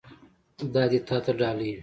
دا دې تا ته ډالۍ وي.